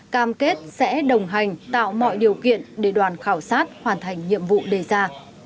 cam kết sẽ đồng hành tạo mọi điều kiện để đoàn khảo sát hoàn thành nhiệm vụ đề ra